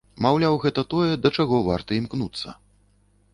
Маўляў, гэта тое, да чаго варта імкнуцца.